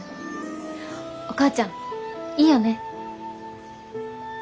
お母ちゃんいいよね？